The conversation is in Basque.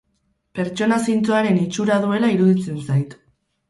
Pertsona zintzoaren itxura duela iruditzen zait.